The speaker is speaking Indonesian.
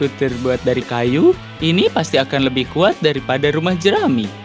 karena rumahku terbuat dari kayu ini pasti akan lebih kuat daripada rumah jerami